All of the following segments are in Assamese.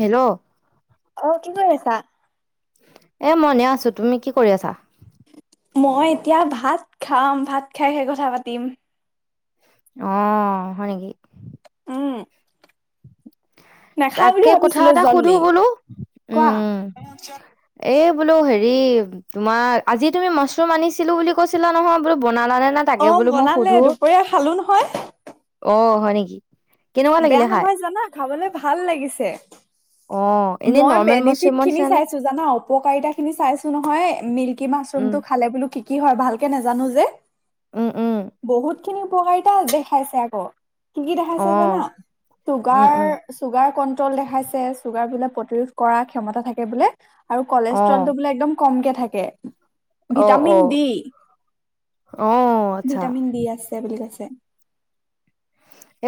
হেল্ল'। অ' কি কৰি আছা? এই মই এনেই আছোঁ। তুমি কি কৰি আছা? মই এতিয়া ভাত খাম, ভাত খাইহে কথা পাতিম। অঁ' হয় নেকি? উম্। তাকে কথা ভাবিছিলো এটা সুধো জল্দি বোলো, কোৱা উম। এই বোলো হেৰি তোমাৰ আজি তুমি মছৰুম আনিছিলো বুলি কৈছিলা নহয়, বোলো বনালা নে নাই? অঁ' বনালে দুপৰীয়া খালো নহয়। অ' হয় নেকি? কেনেকুৱা লাগিলে বেয়া খাই নহয় জানা খাবলে ভাল লাগিছে। অ এনেই মই নৰ্মেল বেনিফিট মাছৰুমৰ খিনি নিচিনানে চাইছো জানা উপকাৰিতা খিনি চাইছো নহয়, মিল্কি উম মাছৰুমটো খালে বোলো কি কি হয় ভালকে নাজানো যে। উম উম। বহুত খিনি উপকাৰিতা দেখাইছে আকৌ, কি কি অ দেখাইছে জানা? উম ছুগাৰ উম চুগাৰ কণ্ট্ৰল দেখাইছে, চুগাৰ বোলে প্ৰতিৰোধ কৰাৰ ক্ষমতা থাকে বোলে। আৰু অ কলেষ্ট্ৰলটো বোলে একদম কমকে থাকে। অ অ ভিটামিন ডি, অ আচ্ছা ভিটামিন ডি আছে বুলি কৈছে।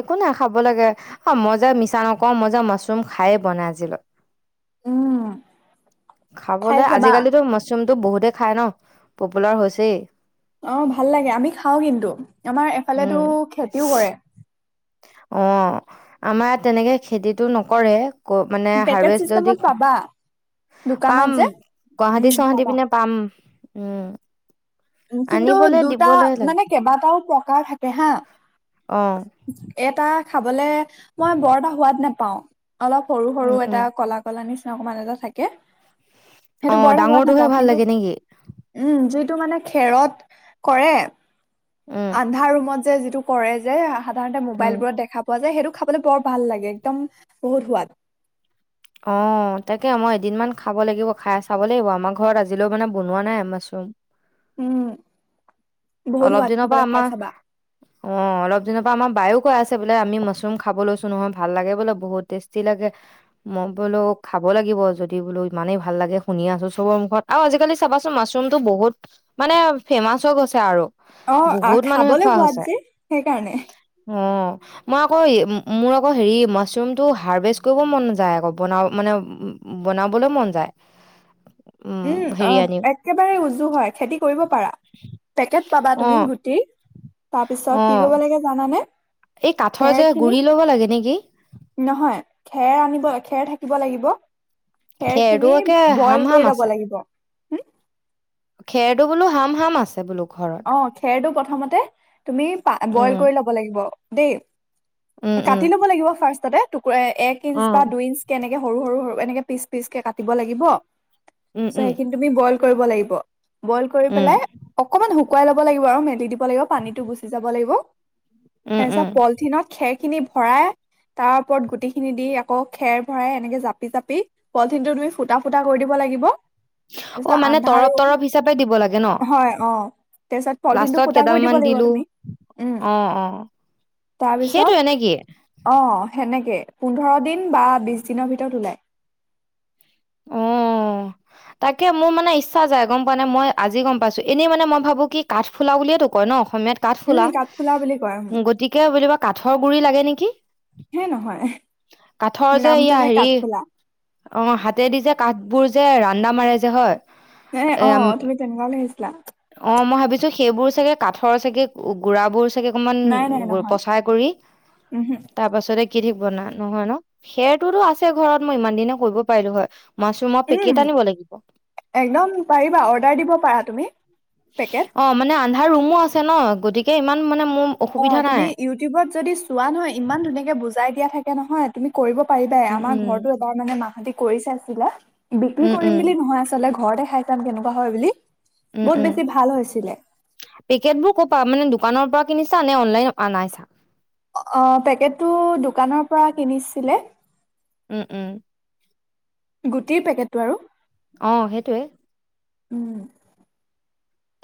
একো নাই খাব লাগে। অ' মই যে মিছা নকওঁ মই যে মাছৰুম খায়ে পোৱা নাই আজিলৈ। উম। খাই খাবলে, চাবা। আজিকালিতো মাছৰুমটো বহুতে খায় ন পপুলাৰ হৈছেই। অঁ ভাল লাগে আমি খাওঁ কিন্তু, আমাৰ এফালেতো উম খেতিও কৰে। অঁ আমাৰ ইয়াত তেনেকে খেতিটো নকৰে। ক মানে পেকেট হাৰ্ভেষ্ট যদি চিষ্টেমত পাবা দোকানত পাম, যে। গুৱাহাটী উম, চুৱাহাটী পাবা। পিনে পাম, উম্। উ্ম কিন্তু দুটা লাগে মানে কেইবাটাও প্ৰকাৰ থাকে হা। অঁ। এটা খাবলে মই বৰ এটা সোৱাদ নেপাও। অলপ সৰু সৰু উম উম এটা কলা কলা নিচিনা অকমান এটা থাকে, অ সেইটো বৰ এটা সোৱাদ ডাঙৰটোহে নেপাওঁ ভাল কিন্তু লাগে নেকি উম যিটো মানে খেৰত কৰে, উম আন্ধা ৰুমত যে যিটো কৰে যে সাধাৰণতে মোবাইল উম বোৰত দেখা পোৱা যে, সেইটো খাবলে বৰ ভাল লাগে একদম বহুত সোৱাদ। অঁ তাকে মই এদিনমান খাব লাগিব, খায় চাব লাগিব আমাৰ ঘৰত আজিলৈও মানে বনোৱা নাই মাছৰুম। উম। বহুত অলপ সোৱাদ দিনৰ পৰা খাবলৈ খাই আমাৰ চাবা অ অলপ দিনৰ পৰা আমাৰ বায়ো কৈ আছে বোলে আমি মাছৰুম খাব লৈছো নহয় ভাল লাগে বোলে বহুত টেষ্টি লাগে। মই বোলো খাব লাগিব যদি বোলো ইমানেই ভাল লাগে শুনি আছোঁ সবৰ মুখত আৰু আজিকালি চাবাচোন মাছৰুমটো বহুত মানে ফেমাচ হৈ গৈছে আৰু। অঁ আ বহুত খাবলে সোৱাদ যে সেইকাৰণে। অঁ। মই আকৌ এই মোৰ আকৌ হেৰি মাছৰুমটো হাৰ্ভেষ্ট কৰিব মন যায় আকৌ বনাব মানে উম উম বনাবলৈ মন যায়। উম অ হেৰি আনি একেবাৰে উজু হয় খেতি কৰিব পাৰা। পেকেট পাবা অ তুমি গুটি, অ তাৰপিছত কি কৰিব লাগে জানানে? এই কাঠৰ খেৰ যে খিনি গুৰি ল'ব লাগে নেকি নহয় খেৰ আনিব খেৰ থাকিব লাগিব খেৰ খেৰটো খিনি একে হাম বইল হাম কৰি আছে ব লাগিব। হুম, খেৰটো বোলো হাম হাম আছে বোলো। ঘৰত অ', খেৰটো প্ৰথমতে তুমি পা বইল উম কৰি ল'ব লাগিব দেই উম উম কাটি ল'ব লাগিব ফাৰ্ষ্টতে টুকুৰা এক অ ইঞ্চ বা দুই ইঞ্চ কেনেকে সৰু সৰু সৰু এনেকে পিচ পিচ কেে কাটিব লাগিব উম তৰপাচ উম সেইখিনি তুমি বইল কৰিব লাগিব বইল কৰি উম পেলাই অকনমান শুকুৱাই লব লাগিব আৰু মেলি দিব লাগিব পানীতটো গুচি যাব লাগিব। উম উম তাৰপিছত পলিথিনত খেৰ খিনি ভৰাই তাৰ ওপৰত গুটি খিনি দি আকৌ খেৰ ভৰাই এনেকে জাপি জাপি পলিথিনটো তুমি ফুটা ফুটা কৰি দিব লাগিব। অ', তাৰপিছত মানে আন্ধাৰ তৰপ ৰুম তৰপ হিচাপে দিব লাগে ন হয় অ তাৰপিছত পলিথিনটো লাষ্টত ফুটা কৰি দিব কেইডালমমান লাগিব দিলো তুমি উম অ, অ', তাৰপিছত সেইটোৱে নে কি? অ সেনেকে পোন্ধৰ দিন বা বিছ দিনৰ ভিতৰত ওলায় উ তাকে মোৰ মানে ইচ্ছা যায় গম পোৱা নাই মই আজি গম পাইছো এনেই মানে মই ভাবো কি কাঠফুলা বুলিয়ে কয় ন অসমীয়াত উম, কাঠফুলা বুলি কয় উম, গতিকে [unintelligible] কাঠৰ গুৰি লাগে নেকি হে নহয় কাঠৰ যে ইয়া নামটোহে হেৰি কাঠফুলা অ হাতেদি যে কাঠবোৰ যে ৰান্দা মাৰে যে হয় এ অ তুমি তেনেকুৱাও লৈ আহিছিলা অ মই ভাবিছো সেইবোৰ চাগে কাঠৰ চাগে গুড়া বোৰ াগে অকণমান নাই নাই নহয় পচাৰ কৰি উমহু, তাৰ পাছতে কি ঠিক বনা নহয় ন খেৰটোতো আছে ঘৰত মই ইমান দিনে কৰিব পাৰিলো হয় মাছৰুমৰ উম। পেকেট আনিব লাগিব একদম পাৰিবা অৰ্ডাৰ দিব পাৰা তুমি পেকেট অ মানে আন্ধাৰ ৰুমো আছে ন গতিকে ইমান মানে মোৰ অ অসুবিধা তুমি নাই ইউটিউবত যদি চোৱা নহয় ইমান ধুনীয়াকে বুজাই দিয়া থাকে [unintelligible] নহয় তুমি কৰিব পাৰিবাই উম আমাৰ উম ঘৰতো এবাৰ মানে মাহতি কৰি চাই চিলে বিক্ৰী উম কৰিম উম বুলি নহয় আচলতে ঘৰতে খাই চাম কেনেকুৱা হয় বুলি বহুত বেছি ভাল হৈছিলে পেকেট বোৰ কৰপা মানে দোকানৰ পৰা কিনিছা নে অনলাইন আনাইছা অঁ পেকেটটো দোকানৰ পৰা কিনিছিলে উম উম গোটেই পেকেটটো আৰু অ সেইটোৱে উম!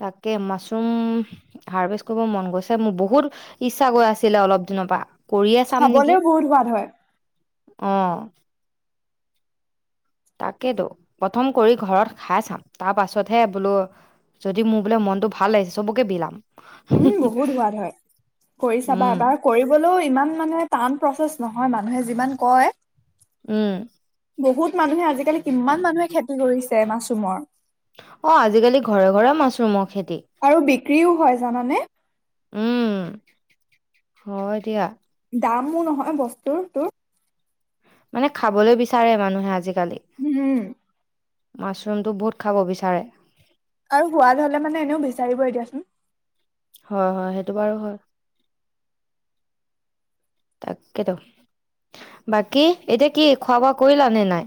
তাকে মাচৰুম হাৰ্ভেষ্ট কৰিব মন গৈছে? মোৰ বহুত ইচ্ছা গৈ আছিলে অলপ দিনৰ পা! কৰিয়ে চাম নেকি? খাবলেও বহুত সোৱাদ হয়। অ'! তাকেতো প্ৰথম কৰি ঘৰত খাই চাম তাৰ? পাছতহে বোলো! যদি মোৰ বোলে মনটো ভাল লাগিছে! চবকে বিলাম! উম ', বহুত সোৱাদ হয়! কৰি চাবা এবাৰ? কৰিবলৈও ইমান মানে টান প্ৰচেছ নহয় মানুহে যিমান কয়! উম! বহুত মানুহে আজিকালি কিমান মানুহে খেতি কৰিছে মাছৰুমৰ। অ আজিকালি ঘৰে ঘৰে মাছৰুমৰ খেতি। আৰু বিক্ৰীও হয় জানানে। উম হয় দিয়া। দামো নহয় বস্তু তোৰ, মানে খাবলৈ বিচাৰে মানুহে আজিকালি। হম, মাছৰুমটো বহুত খাব বিচাৰে। আৰু সোৱাদ হলে মানে এনেও বিচাৰিব এ দিয়াচোন। হয় হয় সেইটো বাৰু হয়। তাকেতো। বাকী এতিয়া কি খোৱা বোৱা কৰিলা নে নাই।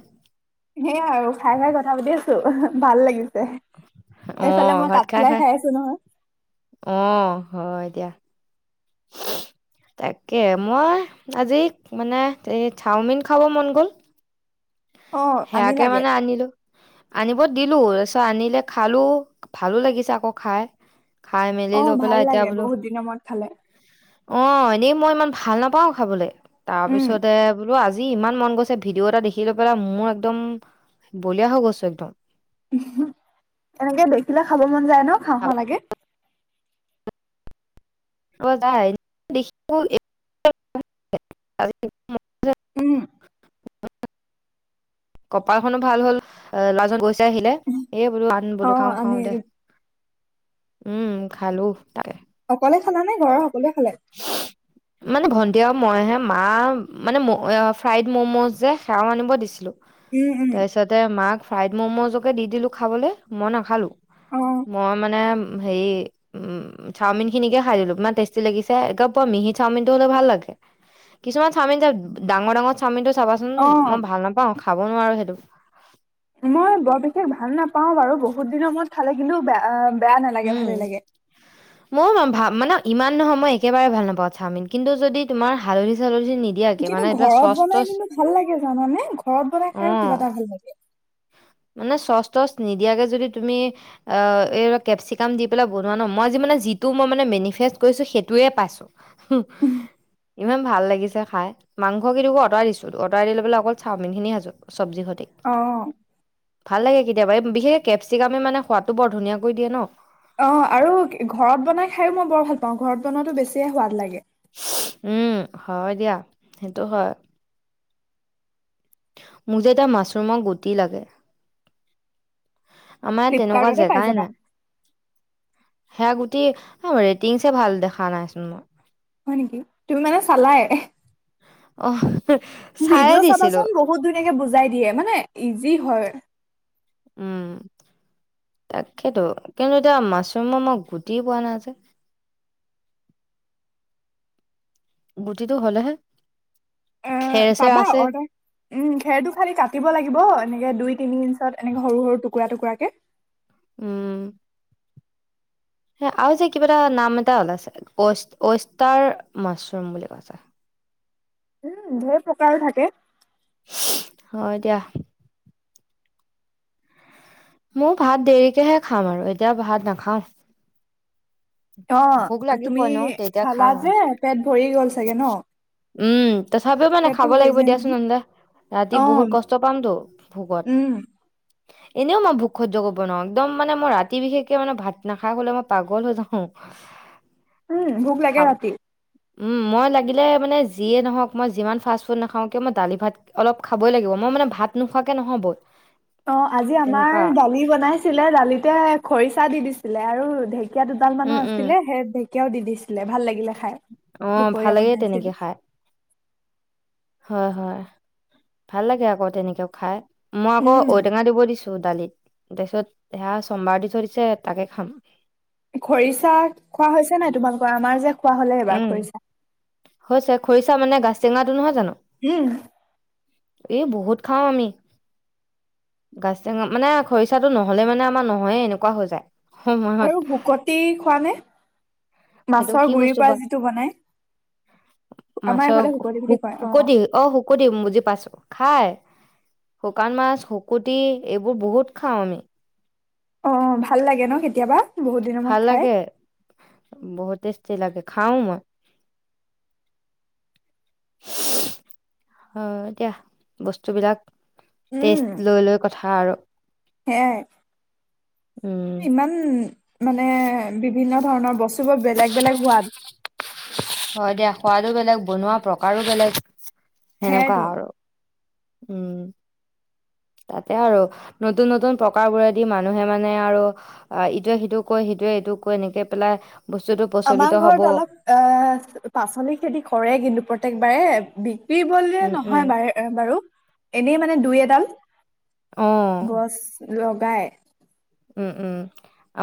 সেই আৰু খাই খাই কথা পাতি আছো ভাল লাগিছে। এইফালে মই কাঠফলাই খাই আছো নহয়। অ হয় দিয়া। তাকে মই আজি মানে এই চাওমিন খাব মন গ'ল। অ আনি সেয়াকে লাগে মানে আনিলো। আনিব দিলো তাৰপিছত আনিলে খালোঁ ভালো লাগিছে আকৌ খাই। খাই মেলি অ লৈ ভাল পেলাই এতিয়া লাগে বোলো। বহুত দিনৰ মূৰত খালে অ এনেই মই ইমান ভাল নাপাওঁ খাবলে। তাৰ উম পিছতে বোলো আজি ইমান মন গৈছে ভিডিঅ এটা দেখি, সি লৈ পেলাই মোৰ একদম বলিয়া হৈ গৈছো একদম, তাকে দেখিলে খাব মন যায় ন খাও খাও লাগে। [unintelligible] উম [inaudible] কপালখনো ভাল হল ল'ৰাজন গৈ চায় আহিলে এই বোলো অ বোলো খাওঁ খাও দে আনি উম খালো তাকে। অকলে খালা নে ঘৰৰ সকলোৱে খালে। [unintelligible] মানে ভন্টি আৰু মইহে মা মানে ফ্ৰাইড মমজে যে সেৱাও আনিব দিছিলো। উম উম, তাতে মাক ফ্ৰাইড মমজকে দি দিলো খাবলে মই নাখালো। অ', মই মানে হেৰি উ চাওমিন খিনিকে খাই দিলো ইমান টেষ্টি লাগিছে। গাপ পোৱা মিহি চাওমিনটো হ'লে ভাল লাগে কিছুমান চাওমিন ডাঙৰ ডাঙৰ চাওমিনটো চাবাচোন মই অ', ভাল নাপাওঁ খাব নোৱাৰো সেইটো। মই বৰ বিশেষ ভাল নাপাও বাৰু বহুত দিনৰ মূৰত খালে কিন্তু বেয়া বেয়া নালাগে ভালেই লাগে। [inaudible] মই ভ মানে ইমান নহয় মই একেবাৰে ভাল নাপাওঁ চাওমিন কিন্তু যদি তোমাৰ হালধি চালধি নি কিন্তু ঘৰত বনাই কিন্তু ভাল লাগে জানানে ঘৰত বনাই অ খাইো কিবা এটা ভাল লাগে। মানে চচ তচ নিদিয়াকে যদি তুমি অ এই কেপচিকাম দি পেলাই বনোৱা ন মইজি মান যিটো মই মানে মেনিফেষ্ট কৰিছোঁ সেইটোৱে পাইছোঁ। হুহ ইমান ভাল লাগিছে খাই। মাংসখিন আ অতাৰ দিছো অতটাৰ দি লৈ পেলাই অকল চাওমিন খাইছো চবজি সতি। অ ভাল লাগে কেতিয়াবা বিশেষ কেপচিকামে মানে সোৱাদটো বৰ ধুনীয়াকৈ দিয়ে ন। অঁ আৰু ঘৰত বনাই খাইও মই বৰ ভাল পাওঁ, ঘৰত বনোৱাাতো বেছিয়ে সোৱাদ লাগে। উম হয় দিয়া, সেইটো হয়। মোক যে এতিয়া মাছৰুমৰ গুটি লাগে। আমাৰ ইয়াত তেনেকুৱা ফ্লিপকাৰ্টতে পাই জেগাই যাবা। নাই। সেয়া গুটি ৰেটিংছে ভাল দেখা নাইচোন মই। হয় নেকি, তুমি মানে চালাই। অ চায়ে ভিডিঅ' দিছিলো চাবাচোন বহু হুত ধুনীয়াকে বুজাই দিয়ে মানে ইজি হয়। উম তাকেইেতো, কিন্তু এতিয়া মাছৰুমো মই গুটি পোৱা নাই যে। গুটিটো হ'লেহে এ‌ খেৰ চেৰ পাবা আছে অৰ্ডাৰ উম খেৰটো খালি কাটিব লাগিব এনেকে দুই তিনি ইঞ্চত এনেকে সৰু টুকুৰাটুৰাকে। উম। সে আৰু যে কিবা এটা নাম এটা ওলাইছে, ৱেষ্টাৰ মাছৰুম বুলি কৈছে। উম, ঢেৰ প্ৰকাৰ থাকে। হয় দিয়া। মোৰ ভাত দেৰিকেহে খাম আৰু, এতিয়া ভাত নাখাওঁ। অঁ ভোক লাগিব তুমি এনেও তেতিয়া খালা খাম আৰু যে, পেট ভৰি গ'ল চাগে ন। উম। তথাপিও মানে পেটটো খাব ভৰি লাগিব যায় দিয়াচোন নহয় এনকা অ ৰাতি বহুত কষ্ট পামতো ভোকত। উম এনেও মই ভোক সহ্য ক'ব নোৱাৰওঁ, একদম মানে মই ৰাতি বিশেষকে মানে ভাত নাখাই শুলে মই পাগল হৈ যাওঁ। [inaudible] উম ভোক লাগে ৰাতি উম, মই লাগিলে মানে যিয়ে নহওক মই যিমান ফাষ্ট ফুড নাখাওঁ কিয় মই দালি ভাত অলপ খাবই লাগিব, মই মানে ভাত নোখোৱাকে নহ'ব। অঁ, আজি আমাৰ তেনেকুৱা দালি বনাইছিলে দালিতে খৰিচা দি দিছিলে আৰু ঢে কীয়া দুডাল উম মানুহ উম আছিলে সেই ঢেকীয়াও দি দিছিলে ভাল লাগিলে খাই, অ ভাল দুপৰীয়া লাগে বনাইছিল। তেনেকে খাই হয় হয়, ভাল লাগে আকৌ তেনেকেয়ো খাই মই আকৌ উম ঔটেঙা দিব দি ছোঁ দালিত, তাৰপিছত সেয়া চোমবাৰ দি থৈ দিছো তাকে খাম। খৰিচা খোৱা হৈছে নাই তোমালোকৰ? আমাৰ যে খোৱা হলে এইবাৰ উম খৰিচা। হৈছে, খৰিচা মানে গাজ টেঙাটো নহয় জানো। উম। এই বহুত খাওঁ আমি। গাছ চেঙা মানে খৰিচাটো নহলে মানে আমাৰ নহয়ে এনেকুৱা হৈ যায়। সময়ত আৰু শুকতি খোৱা নে? সেইটো মাছৰ কি গুৰিৰ বস্তু বা পৰা যিটো বনাই, আমাৰ এইফালে শুকলি বুলি কয় অঁ। অঁ, শুকতি উম বুজি পাইছো খাই। শুকান মাছ শুকুতি এইবোৰ বহুত খাওঁ আমি। অঁ, ভাল লাগে ন কেতিয়াবা। বহুত দিনৰ মূৰত ভাল খাই লাগে, বহুত টেষ্টি লাগে খাও মই। অঁ, এতিয়া বস্তু বিলাক টেষ্ট লৈ লৈ কথা আৰু। সেইয়াই। উম। ইমান মানে বিভিন্ন ধৰণৰ বস্তু বোৰ বেলেগ বেলেগ সোৱাদ। হয় দিয়া সোৱাদো বেলেগ বনোৱা প্ৰকাৰো বেলেগ সেনেকুৱা সেয়াইতো আৰু। উম। তাকে আৰু নতুন নতুন প্ৰকাৰ বোৰেদি মানুহে মানে আৰু। অ', ইটোৱে সিটোক কয় সিটোৱে ইটোক কয় এনেকে পেলাই বস্তুটো প্ৰচলিত হ'ব। অ', পাচলি খেতি কৰে কিন্তু প্ৰত্যেকবাৰে বি উম [unintelligible] উম নহয় বা-বাৰু এনেই মানে দুই এডাল। অ'। গছ লগাই। উম, উম।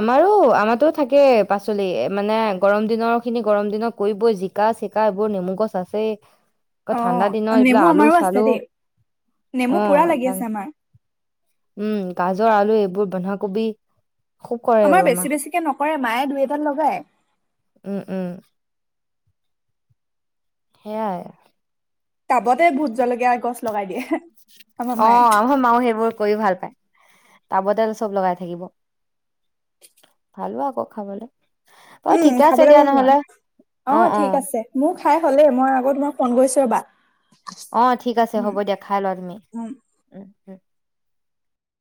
আমাৰো আমাৰতো থাকেই পাচলি মানে গৰম দিনৰখিনি গৰম দিনত কৰিবই যি কা চিকা এইবোৰ নেমু গছ আছেই। অ আকৌ ঠাণ্ডা দিনত নেমু এইবিলাক আলু আমাৰো আছে চালু দেই নেমু অ', পুৰা লাগি ঠা আছে আমাৰ উম, গাজৰ আলু এইবোৰ বন্ধাকবি। খুব কৰে আমাৰ এইবোৰ বেছি বেছিকে নকৰে মায়ে দুই এডাল লগায়। উম, উম সেইয়াই। টাবতে ভূত জলকীয়া গছ লগাই দিয়ে। আমাৰ মায়ে অ', আমাৰ মাউ সেইবোৰ কৰি ভাল পায় টাবতে চব লগাই থাকিব। ভালো আকৌ খাবলে। উম, খাবলৈ [unintelligible] অ', ঠিক আছে। মোৰ খাই হ'লেই মই আকৌ তোমাক ফোন কৰিছোঁ ৰ'বা। অ', ঠিক আছে উম হ'ব দিয়া খাই লোৱা তুমি উম উম, উম।